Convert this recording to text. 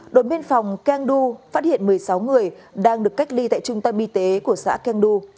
đội biên phòng keng du phát hiện một mươi sáu người đang được cách ly tại trung tâm y tế của xã keng du